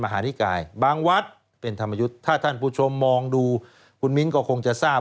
ฮ่าฮ่าฮ่าฮ่า